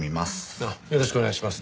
ああよろしくお願いします。